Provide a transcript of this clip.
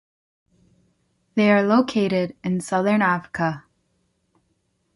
They are located in Southern Africa